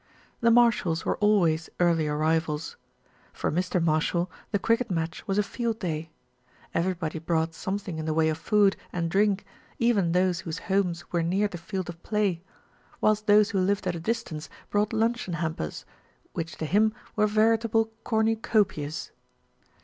The Marshalls were always early arrivals. For Mr. Marshall the cricket match was a field day. SMITH BECOMES A POPULAR HERO 191 Everybody brought something in the way of food and drink, even those whose homes were near the field of play, whilst those who lived at a distance brought luncheon hampers, which to him were veritable corn ucopias.